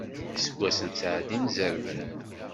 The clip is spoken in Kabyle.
Iseggasen ttɛeddin, zerrben.